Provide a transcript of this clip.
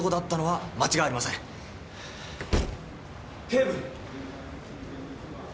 警部！